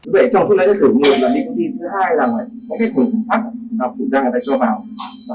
vậy trong thuốc lá điện tử của người đoạn định công ty thứ hai là những hình thức phụ trang người ta cho vào